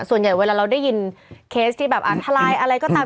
ส่วนใหญ่เวลาเราได้ยินเคสที่แบบอ่านทลายอะไรก็ตาม